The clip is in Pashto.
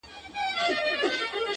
زه پوهېږم په دوږخ کي صوبه دار دئ.!